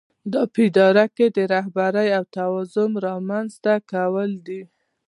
دا په اداره کې د رهبرۍ او توازن رامنځته کول دي.